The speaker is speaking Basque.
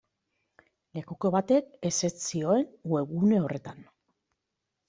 Lekuko batek ezetz zioen webgune horretan.